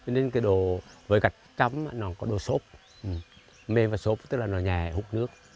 nên cái đồ với gạch chấm nó có đồ sốt mềm và sốt tức là nó nhè hút nước